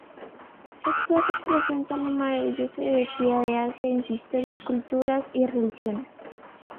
Este representa la maravillosa diversidad de Asia en su historia, culturas y religiones.